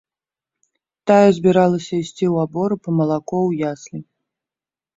Тая збіралася ісці ў абору па малако ў яслі.